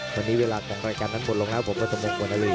วันนี้เวลาของรายการนั้นหมดลงแล้วผมวัฒนกวนารี